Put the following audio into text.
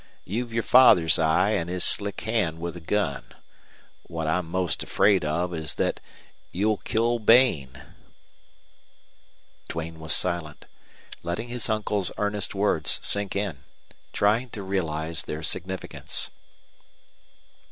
You've your father's eye an' his slick hand with a gun. What I'm most afraid of is that you'll kill Bain." Duane was silent, letting his uncle's earnest words sink in, trying to realize their significance.